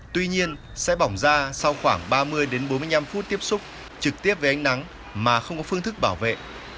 tuy nhiên sẽ bỏng da sau khoảng ba mươi bốn mươi năm phút tiếp xúc trực tiếp với ánh nắng mà không có phương thức bảo vệ